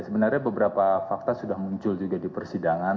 sebenarnya beberapa fakta sudah muncul juga di persidangan